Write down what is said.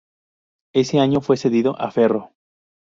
Ese año fue cedido a Ferro.